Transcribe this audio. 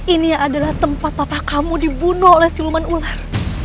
ini adalah tempat papa kamu dibunuh oleh siluman ular